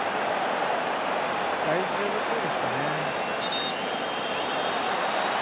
大丈夫そうですかね。